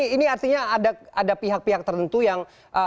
ini artinya ada pihak pihak tertentu yang